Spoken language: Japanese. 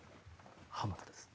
浜田です。